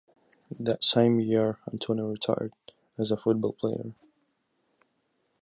That same year, Antonio retired as a football player.